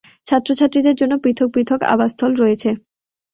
ছাত্র-ছাত্রীদের জন্য পৃথক পৃথক আবাসস্থল রয়েছে।